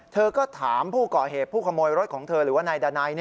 เธอก็ถามผู้ก่อเหตุผู้ขโมยรถของเธอหรือว่านายดานัย